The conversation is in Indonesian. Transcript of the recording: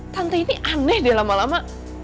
tante ini aneh deh lama lama